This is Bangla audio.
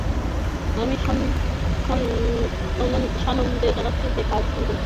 আমি সানন্দে জানাচ্ছি যে, কাজ সুন্দর চলছে।